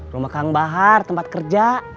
rumah kang bahar tempat kerja